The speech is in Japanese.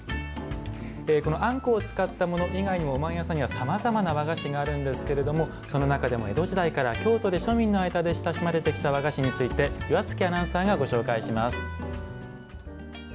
あんこを使ったもの以外にもおまんやさんにはさまざまな和菓子があるんですがその中でも江戸時代から京都で庶民の間で親しまれてきた和菓子について岩槻アナウンサーがご紹介します。